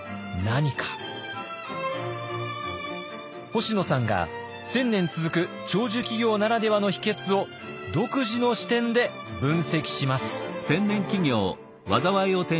星野さんが１，０００年続く長寿企業ならではの秘けつを独自の視点で分析します。